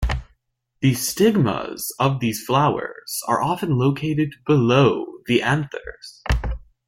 The stigmas of these flowers are often located below the anthers.